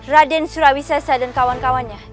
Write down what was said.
raden surawisesa dan kawan kawannya